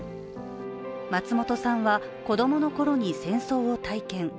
松本さんは子供のころに戦争を体験。